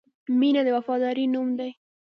• مینه د وفادارۍ نوم دی.